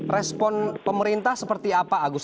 respon pemerintah seperti apa agus